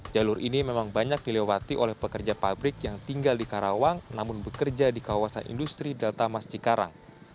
jalur ini memang banyak dilewati oleh pekerja pabrik yang tinggal di karawang namun bekerja di kawasan industri delta mas cikarang